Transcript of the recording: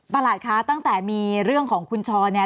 หลัดคะตั้งแต่มีเรื่องของคุณช้อนเนี่ย